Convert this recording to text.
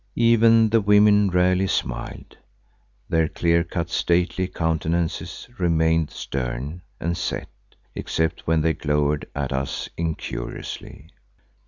Even the women rarely smiled; their clear cut, stately countenances remained stern and set, except when they glowered at us incuriously.